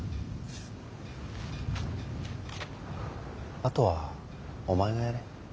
あとはお前がやれ。